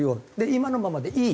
今のままでいい。